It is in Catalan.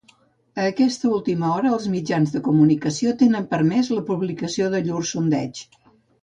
A aquesta última hora els mitjans de comunicació tenen permès la publicació de llurs sondeigs.